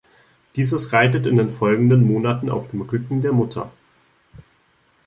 Dieses reitet in den folgenden Monaten auf dem Rücken der Mutter.